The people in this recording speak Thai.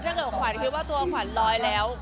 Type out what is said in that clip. ถ้าเกิดขวัญคิดว่าตัวขวัญลอยแล้ว